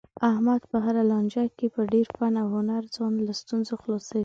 احمد په هره لانجه کې په ډېر فن او هنر ځان له ستونزو خلاصوي.